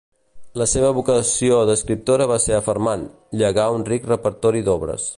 La seva vocació d'escriptora va ser afermant, llegà un ric repertori d'obres.